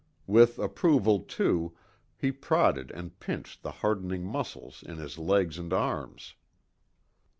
With approval, too, he prodded and pinched the hardening muscles in his legs and arms.